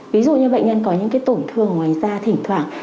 ví dụ như bệnh nhân có những cái tổn thương ngoài da thỉnh thoảng